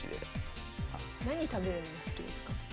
何食べるの好きですか？